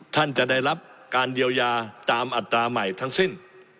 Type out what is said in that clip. ท่านจะได้รับการเยียวยาตามอัตราใหม่ทั้งสิ้น